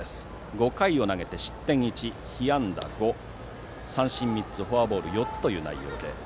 ５回を投げて失点１、被安打５三振３つ、フォアボール４つという内容です。